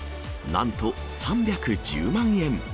なんと３１０万円。